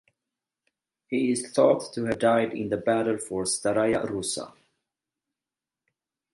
He is thought to have died in the battle for Staraya Russa.